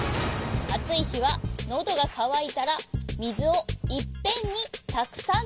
「あついひはのどがかわいたらみずをいっぺんにたくさんのむ」。